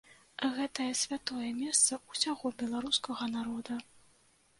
Гэтае святое месца ўсяго беларускага народа.